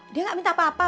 dia gak minta apa apa